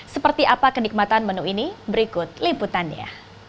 seperti apa kenikmatan menu ini berikut liputannya